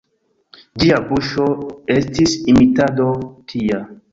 Ĝia buŝo estis imitado tia.